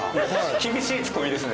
厳しいツッコミですね。